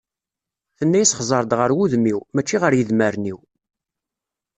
Tenna-yas xẓer-d ɣer wudem-iw, mačči ɣer yedmaren-iw.